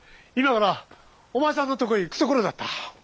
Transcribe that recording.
今からお前さんのとこへ行くところだった。